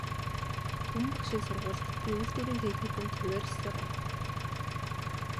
Түмэн багшийн сургуульд, би үйлдвэрийн техникумд хувиар ёсоор оров.